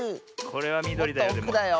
これはみどりだよ。